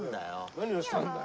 何をしたんだよ！